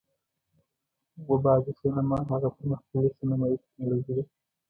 اووه بعدی سینما هغه پر مختللې سینمایي ټیکنالوژي ده،